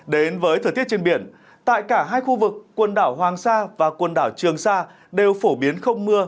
đến với thời tiết trên biển tại cả hai khu vực quần đảo hoàng sa và quần đảo trường sa đều phổ biến không mưa